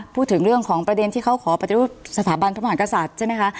พูดถึงเรื่องของประเด็นที่เขาขอปฏิรูปสถาบันพระมหากษัตริย์ใช่ไหมคะ